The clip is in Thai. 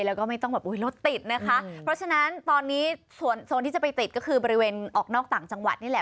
แล้วก็ไม่ต้องรถติดนะคะ